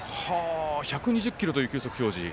１２０キロという球速表示。